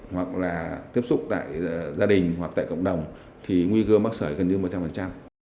hoặc là tiếp xúc tại gia đình hoặc tại cộng đồng thì nguy cơ mắc sởi gần như một trăm linh